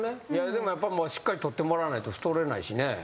でもやっぱしっかり取ってもらわないと太れないしね。